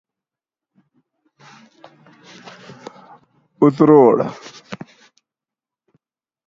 اتروژ